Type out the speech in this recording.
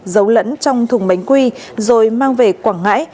giấu lẫn trong thùng bánh quy rồi mang về quảng ngãi